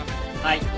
はい。